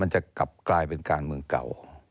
มันจะกลายเป็นการเมืองเก่า